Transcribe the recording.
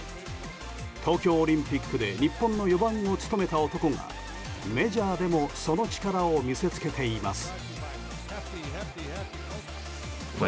東京オリンピックで日本の４番を務めた男がメジャーでもその力を見せつけています。